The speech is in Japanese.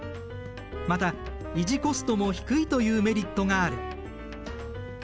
また維持コストも低いというメリットがある。